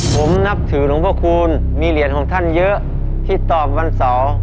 ผมนับถือหลวงพระคูณมีเหรียญของท่านเยอะที่ตอบวันเสาร์